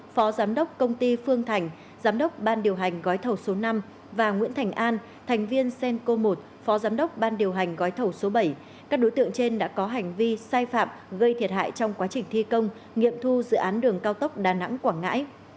phó giám đốc công ty phương thành giám đốc ban điều hành gói thầu số năm và nguyễn thành an thành viên cenco một phó giám đốc ban điều hành gói thầu số bảy các đối tượng trên đã có hành vi sai phạm gây thiệt hại trong quá trình thi công nghiệm thu dự án đường cao tốc đà nẵng quảng ngãi